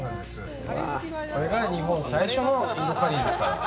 これが日本最初のインドカリーですから。